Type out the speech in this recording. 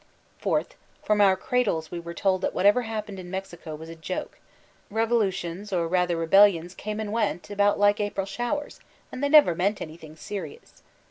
Fourth, from our cradles we were tdd that whatever happened in Mexico was a joke. Revolutions, or rather rebellions, came and went, about like April showers, and they never meant anything serious.